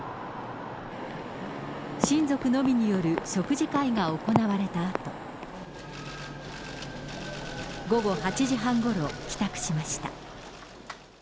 親族のみによる食事会が行われたあと、午後８時半ごろ、帰宅しました。